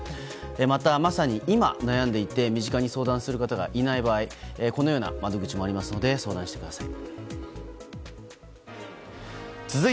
また、まさに今悩んでいて身近に相談する方がいない場合このような窓口もありますので相談してください。